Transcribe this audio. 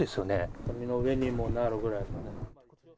畳の上にもなるぐらいの。